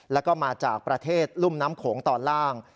แล้วก็มาจากประเทศรุ่มน้ำโขงตอนล่าง